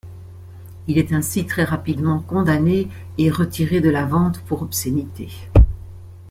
Il est ainsi très rapidement condamné et retiré de la vente pour obscénité.